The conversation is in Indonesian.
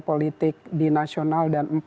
politik di nasional dan